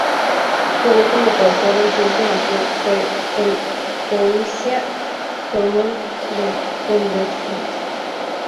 Jugó como portero y su último club fue el Borussia Dortmund de la Bundesliga.